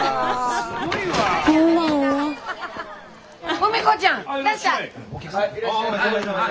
史子ちゃんいらっしゃい。